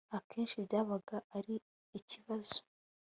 akenshi byabaga ari ikibazo